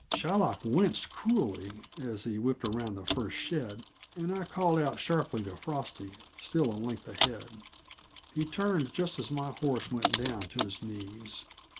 Shylock winced cruelly, as we whipped around the first shed, and I called out sharply to Frosty, still a length ahead. He turned just as my horse went down to his knees.